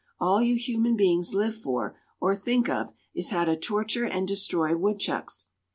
All you human beings live for or think of is how to torture and destroy woodchucks."